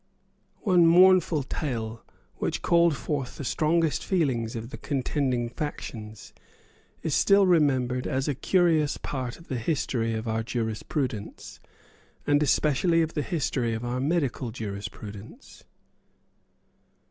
One mournful tale, which called forth the strongest feelings of the contending factions, is still remembered as a curious part of the history of our jurisprudence, and especially of the history of our medical jurisprudence.